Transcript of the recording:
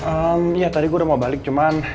emm ya tadi gua udah mau balik cuman